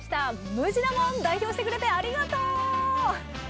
ムジナもん代表してくれてありがとう！